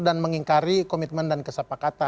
dan mengingkari komitmen dan kesepakatan